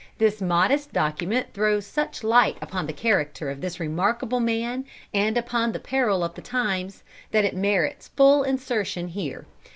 This modest document throws such light upon the character of this remarkable man, and upon the peril of the times, that it merits full insertion here.